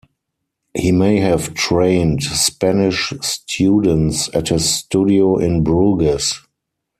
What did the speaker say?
He may have trained Spanish students at his studio in Bruges.